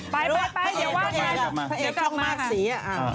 ไปเดี๋ยวว่าเอกช่องมากสี